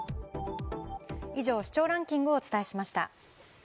以上、視聴ランキングをお伝えしました。